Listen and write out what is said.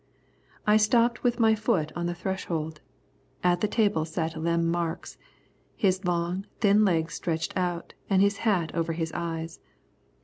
I stopped with my foot on the threshold. At the table sat Lem Marks, his long, thin legs stretched out, and his hat over his eyes.